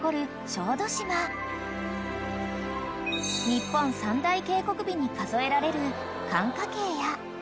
［日本三大渓谷美に数えられる］